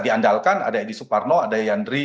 diandalkan ada edi suparno ada yandri